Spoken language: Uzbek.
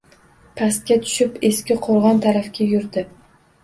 Pastga tushib eski qo‘r-g‘on tarafga yurdi.